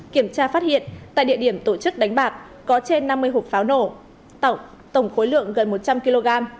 kiểm tra phát hiện tại địa điểm tổ chức đánh bạc có trên năm mươi hộp pháo nổ tổng khối lượng gần một trăm linh kg